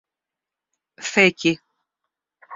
feki